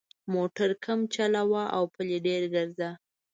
موټر کم چلوه او پلي ډېر ګرځه.